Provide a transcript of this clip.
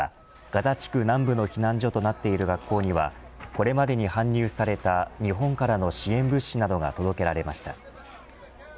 またガザ地区南部の避難所となっている学校にはこれまでに搬入された日本からの支援物資などが届けられました。